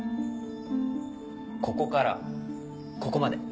ここからここまで。